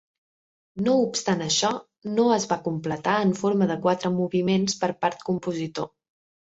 No obstant això, no es va completar en forma de quatre moviments per part compositor.